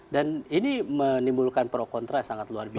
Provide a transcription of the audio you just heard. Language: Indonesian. dan ini menimbulkan pro kontra sangat luar biasa